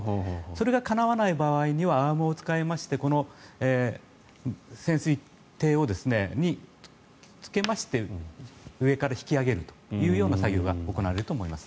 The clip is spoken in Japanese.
それがかなわない場合にはアームを使いまして潜水艇につけまして上から引き揚げるという作業が行われると思います。